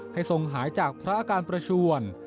ทรงหายจากพระอาการประชวน